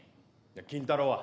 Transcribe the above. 「金太郎」は？